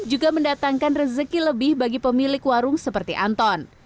juga mendatangkan rezeki lebih bagi pemilik warung seperti anton